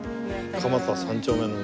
蒲田３丁目の梅。